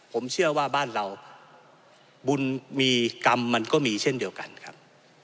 ผมเชื่อว่าบ้านเราบุญมีกรรมมันก็มีเช่นเดียวกันครับ